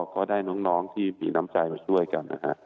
ก็ได้น้องที่มีน้ำใจมาช่วยกันนะฮะ